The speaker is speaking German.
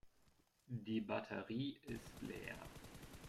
Die Batterie ist leer.